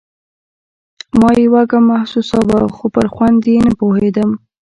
ما يې وږم محسوساوه خو پر خوند يې نه پوهېدم.